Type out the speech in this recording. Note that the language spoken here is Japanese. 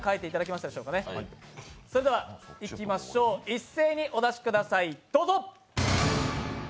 一斉にお出しください、どうぞ。